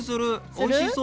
おいしそう。